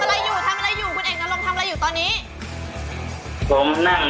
โอ้โฮทำอะไรอยู่ทำอะไรอยู่